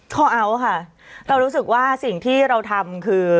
ข้อเอาท์ค่ะเรารู้สึกว่าสิ่งที่เราทำคือ